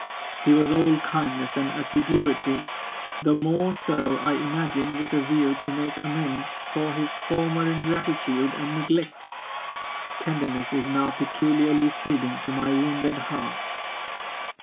He was all kindness and assiduity; the more so, I imagined, with a view to make amends for his former ingratitude and neglect. Tenderness is now peculiarly soothing to my wounded heart.